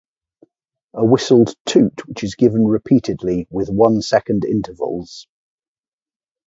A whistled "toot" which is given repeatedly with one second intervals.